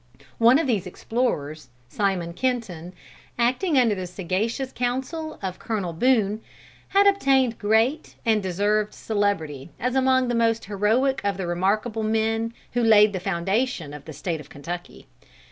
One of these explorers, Simon Kenton, acting under the sagacious counsel of Colonel Boone, had obtained great and deserved celebrity as among the most heroic of the remarkable men who laid the foundation of the State of Kentucky.